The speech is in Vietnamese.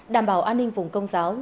đảm bảo an ninh vùng công giáo